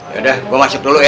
yaudah gue masuk dulu ya